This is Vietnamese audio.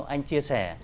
anh chia sẻ